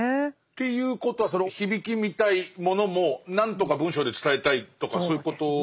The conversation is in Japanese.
っていうことはその響きみたいものも何とか文章で伝えたいとかそういうことですか。